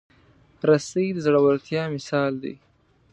رسۍ د زړورتیا مثال دی.